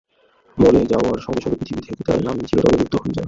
মরে যাওয়ার সঙ্গে সঙ্গে পৃথিবী থেকে তাঁর নাম চিরতরে লুপ্ত হয়ে যায়।